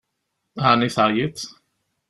Ɛni teɛyiḍ?